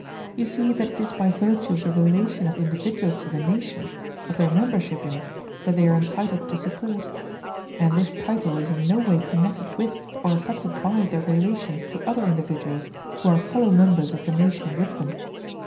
You see that it is by virtue of the relation of individuals to the nation, of their membership in it, that they are entitled to support; and this title is in no way connected with or affected by their relations to other individuals who are fellow members of the nation with them.